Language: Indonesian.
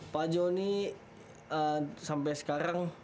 pak jonny sampai sekarang